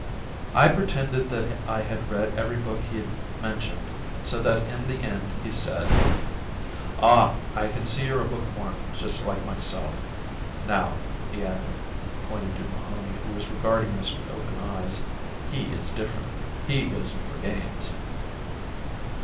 I pretended that I had read every book he mentioned so that in the end he said: "Ah, I can see you are a bookworm like myself. Now," he added, pointing to Mahony who was regarding us with open eyes, "he is different; he goes in for games."